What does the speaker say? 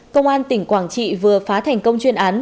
công an tỉnh quảng trị vừa phá thành công chuyên án